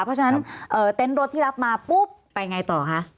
เพราะฉะนั้นเต็นต์รถที่รับมาปุ๊บไปไงต่อคะ